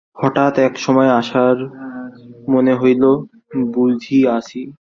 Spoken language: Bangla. হঠাৎ এক সময় আশার মনে হইল, বুঝিয়াছি।